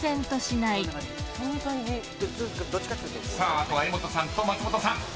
［あとは柄本さんと松本さん］